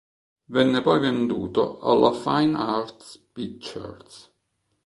Venne poi venduto alla Fine Arts Pictures.